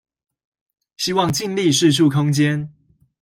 希望盡力釋出空間